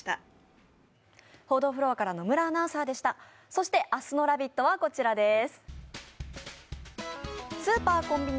そして明日の「ラヴィット！」はこちらです。